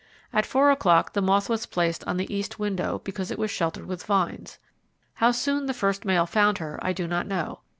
At four o'clock the moth was placed on the east window, because it was sheltered with vines. How soon the first male found her, I do not know.